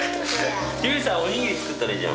おにぎり作ったらいいじゃん。